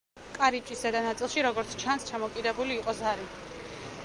კარიბჭის ზედა ნაწილში, როგორც ჩანს, ჩამოკიდებული იყო ზარი.